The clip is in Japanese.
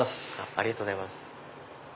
ありがとうございます。